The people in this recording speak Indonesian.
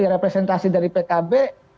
representasi dari pkb